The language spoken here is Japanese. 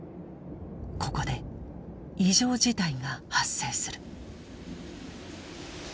ここで異常事態が発生する。